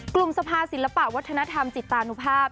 กลุ่มสภาศิลปะวัฒนธรรมจิตตานุภาพ